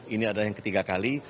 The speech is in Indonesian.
ini adalah yang ketiga kali